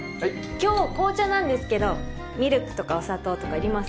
今日紅茶なんですけどミルクとかお砂糖とかいります？